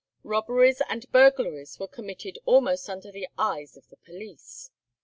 Robberies and burglaries were committed almost under the eyes of the police.